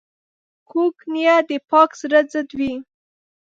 کوږ نیت د پاک زړه ضد وي